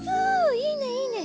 いいねいいね！